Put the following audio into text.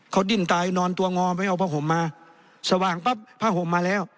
เขาดิ้นตายนอนตัวงอไปเอาผ้าห่มมาสว่างปั๊บผ้าห่มมาแล้ว